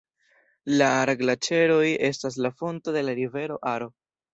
La Ar-Glaĉeroj estas la fonto de la rivero Aro.